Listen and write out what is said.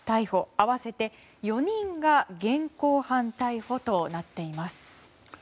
合わせて４人が現行犯逮捕となっています。